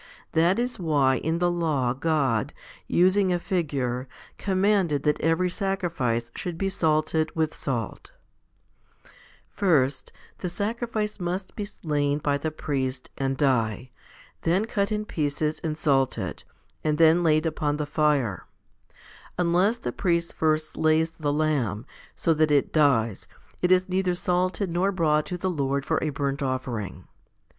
That is why in the Law God, using a figure, commanded that every sacrifice should be salted with salt. 3 6. First the sacrifice must be slain by the priest, and die, 1 Matt. v. 13. 2 Ps. xxxviii. 5. 3 Lev. ii. 13. 6 FIFTY SPIRITUAL HOMILIES then cut in pieces and salted, and then laid upon the fire. Unless the priest first slays the lamb, so that it dies, it is neither salted nor brought to the Lord for a burnt offering.